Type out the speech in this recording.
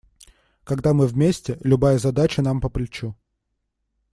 Когда мы вместе, любая задача нам по плечу.